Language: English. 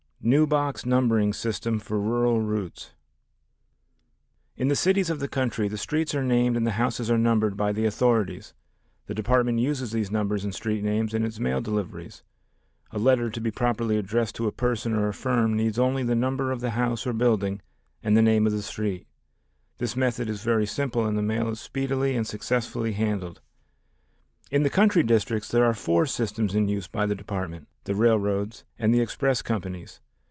New Box Numbering System for Rural Routes In the cities of the country the streets are named and the houses are numbered by the authorities. The Department uses these numbers and street names in its mail deliveries. A letter to be properly addressed to a person or a firm needs only the number of the house or building and the name of the street. This method is very simple and the mail is speedily and successfully handled. In the country districts there are four systems in use by the Department, the railroads, and the express companies.